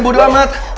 bau dalam hati